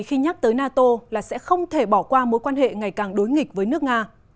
khi nhắc tới nato là sẽ không thể bỏ qua mối quan hệ ngày càng đối nghịch với nước nga